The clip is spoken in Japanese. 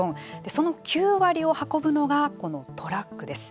その９割を運ぶのがこのトラックです。